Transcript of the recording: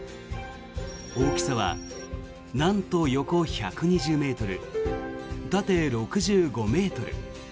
大きさは、なんと横１２０ｍ、縦６５ｍ。